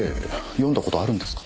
読んだ事あるんですか？